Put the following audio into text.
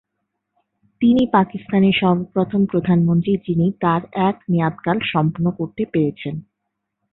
তিনি পাকিস্তানের সর্বপ্রথম প্রধানমন্ত্রী যিনি তার এক মেয়াদকাল সম্পূর্ণ করতে পেরেছেন।